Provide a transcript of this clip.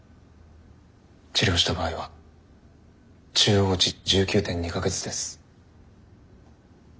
治療した場合は中央値１９．２か月です。